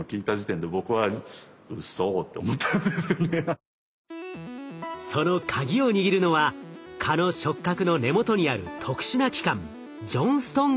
ある時そのカギを握るのは蚊の触角の根元にある特殊な器官ジョンストン